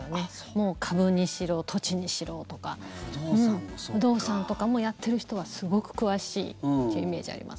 もう株にしろ土地にしろとか不動産とかもやってる人はすごく詳しいイメージあります。